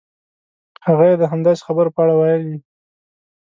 هغه یې د همداسې خبرو په اړه ویلي.